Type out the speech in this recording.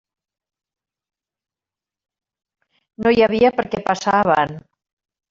No hi havia per què passar avant.